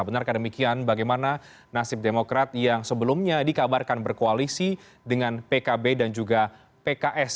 benarkah demikian bagaimana nasib demokrat yang sebelumnya dikabarkan berkoalisi dengan pkb dan juga pks